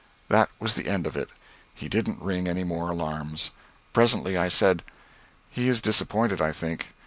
That was the end of it. He didn't ring any more alarms. Presently I said, "He is disappointed, I think.